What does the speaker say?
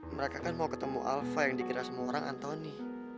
mereka kan mau ketemu alpha yang dikira semua orang antoni